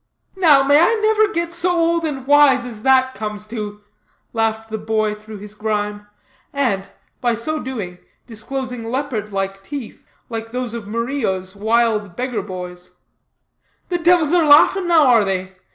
"Now, may I never get so old and wise as that comes to," laughed the boy through his grime; and, by so doing, disclosing leopard like teeth, like those of Murillo's wild beggar boy's. "The divils are laughing now, are they?"